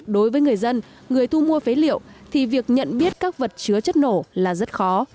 đối với người dân người thu mua phế liệu thì việc nhận biết các vật chứa chất nổ là rất khó